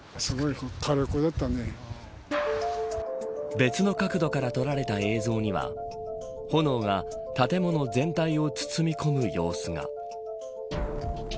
別の角度から撮られた映像には炎が建物全体を包み込む様子が。